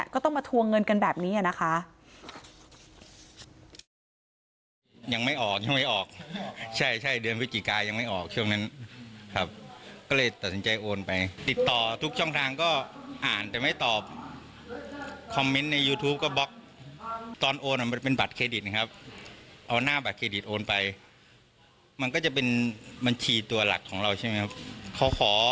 ก็ต้องมาทวงเงินกันแบบนี้นะคะ